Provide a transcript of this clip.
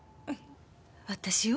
私を？